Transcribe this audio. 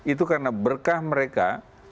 itu karena berkah mereka